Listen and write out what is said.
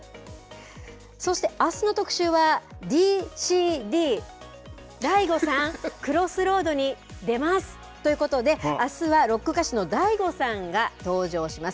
そしてあすの特集は、ＤＣＤ、ＤＡＩＧＯさん、Ｃｒｏｓｓｒｏａｄに出ますということであすはロック歌手のＤＡＩＧＯさんが登場します。